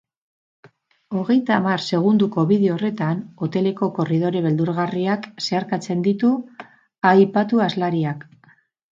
Hogeita hamar segundoko bideo horretan hoteleko korridore beldurgarriak zeharkatzen ditu aipatu aslariak.